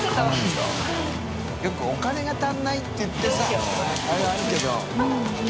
茲お金が足りないっていってさあれあるけど。